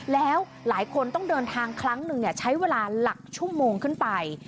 แล้วหลายคนต้องเดินทางครั้งหนึ่งใช้เวลาหลักชั่วโมงขึ้นไป